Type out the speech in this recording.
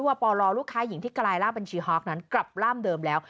หรือว่าพอรอลูกค้าหญิงที่กลายล่าบัญชีฮอกนั้นกลับล่ามเดิมแล้ว